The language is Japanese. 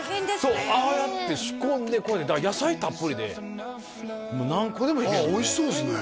そうああやって仕込んで野菜たっぷりで何個でもいけるああおいしそうですね